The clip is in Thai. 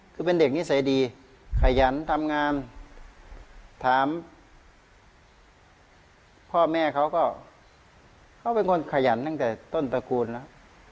คือเป็นเด็กนิสัยดีขยันทำงานถามพ่อแม่เขาก็เขาเป็นคนขยันตั้งแต่ต้นตระกูลแล้ว